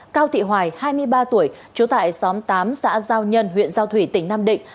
cao thị hoài hai mươi ba tuổi trú tại xóm tám xã giao nhân huyện giao thủy tỉnh nam định